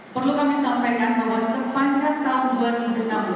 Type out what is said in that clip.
perlu kami sampaikan bahwa sepanjang tahun dua ribu enam belas